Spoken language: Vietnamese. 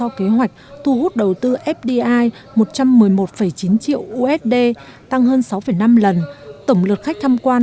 theo kế hoạch thu hút đầu tư fdi một trăm một mươi một chín triệu usd tăng hơn sáu năm lần tổng lượt khách tham quan